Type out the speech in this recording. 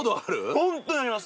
ホントにあります！